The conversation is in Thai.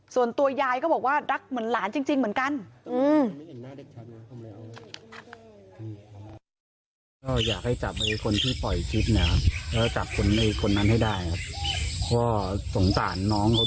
ส่วนตัวยายก็บอกว่ารักเหมือนหลานจริงเหมือนกัน